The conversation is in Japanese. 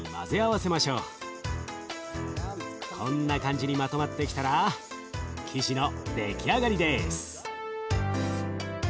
こんな感じにまとまってきたら生地の出来上がりです。